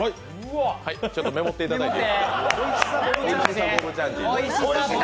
はいちょっとメモっていただいて。